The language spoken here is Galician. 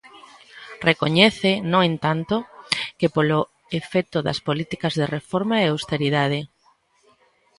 Recoñece, no entanto, que polo efecto das políticas de reforma e austeridade.